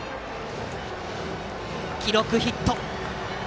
記録はヒット。